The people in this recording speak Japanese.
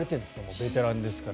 ベテランですから。